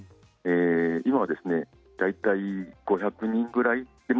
今は大体５００人ぐらいですね。